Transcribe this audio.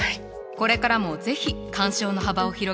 これからも是非鑑賞の幅を広げて楽しんで！